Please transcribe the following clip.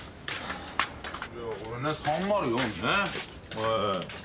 これね３０４ですね。